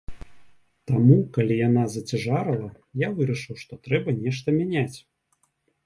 Таму калі яна зацяжарала, я вырашыў, што трэба нешта мяняць.